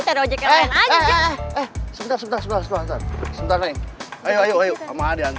cahaya sebentar sebentar sebentar sebentar ayo ayo ayo